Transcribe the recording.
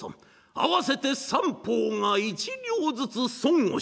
合わせて三方が一両ずつ損をしている。